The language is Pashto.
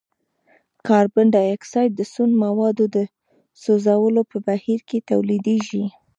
کاربن ډای اکسايډ د سون موادو د سوځولو په بهیر کې تولیدیږي.